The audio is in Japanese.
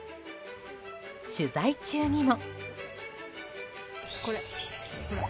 取材中にも。